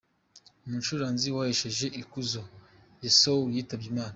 Umucuranzi wahesheje ikuzo Youssou yitabye Imana.